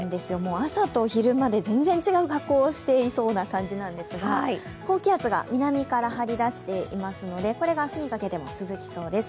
朝と昼間で全然違う格好をしていそうな感じなんですが、高気圧が南から張り出していますのでこれが明日にかけても続きそうです。